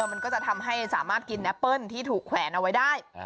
มันก็จะทำให้สามารถกินแอปเปิ้ลที่ถูกแขวนเอาไว้ได้